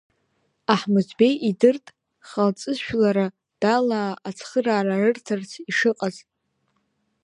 Аҳмыҭбеи идырт халҵыс жәлара далаа ацхыраара рырҭарц ишыҟаз.